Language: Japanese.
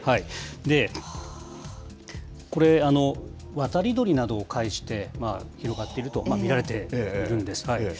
で、これ、渡り鳥などを介して広がっていると見られているんです。